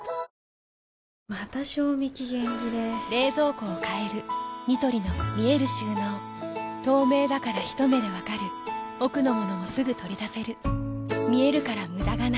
また賞味期限切れ冷蔵庫を変えるニトリの見える収納透明だからひと目で分かる奥の物もすぐ取り出せる見えるから無駄がないよし。